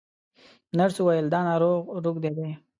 نرس وویل دا ناروغ روږدی دی.